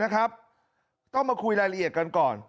ต้องมาคุยรายละเอียดกันก่อน